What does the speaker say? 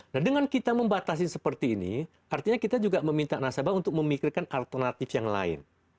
nah dengan kita membatasi seperti ini artinya kita juga meminta nasabah untuk memikirkan alternatif yang lain